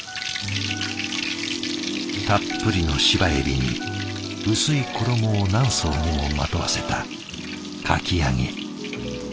たっぷりの芝えびに薄い衣を何層にもまとわせたかき揚げ。